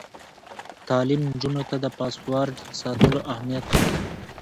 تعلیم نجونو ته د پاسورډ ساتلو اهمیت ښيي.